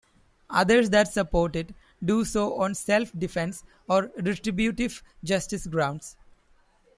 Others that support it, do so on self-defense or retributive justice grounds.